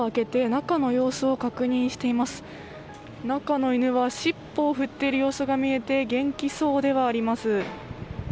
中の犬は尻尾を振っている様子が見えて元気そうではあります。